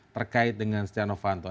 terkait dengan setia novanto